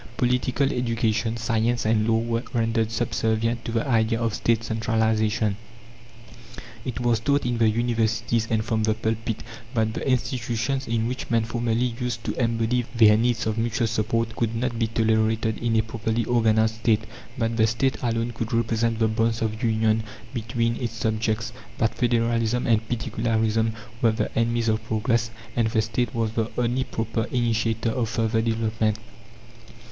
Political education, science, and law were rendered subservient to the idea of State centralization. It was taught in the Universities and from the pulpit that the institutions in which men formerly used to embody their needs of mutual support could not be tolerated in a properly organized State; that the State alone could represent the bonds of union between its subjects; that federalism and "particularism" were the enemies of progress, and the State was the only proper initiator of further development.